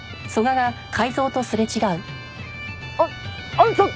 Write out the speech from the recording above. あっあっちょっ！